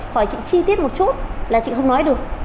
hỏi chị chi tiết một chút là chị không nói được